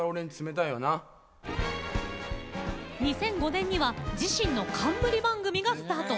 ２００５年には自身の冠番組がスタート。